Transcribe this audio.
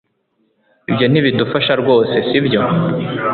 Ibyo ntibidufasha rwose sibyo